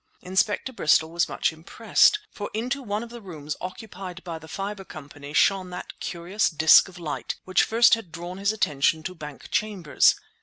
Inspector Bristol was much impressed, for into one of the rooms occupied by the Fibre Company shone that curious disc of light which first had drawn his attention to Bank Chambers.